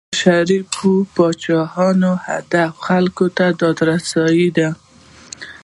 د شریفو پاچاهانو هدف خلکو ته داد رسېدل دي.